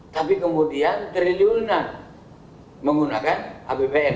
tapi kemudian triliunan menggunakan apbn